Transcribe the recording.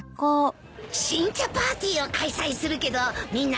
新茶パーティーを開催するけどみんなうちに来ない？